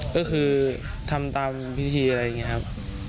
ก็คือทำตามพิธีอะไรอย่างนี้ครับ